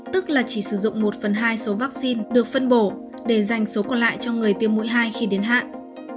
tức là chỉ sử dụng một phần hai số vaccine được phân bổ để dành số còn lại cho người tiêm mũi hai khi đến hạn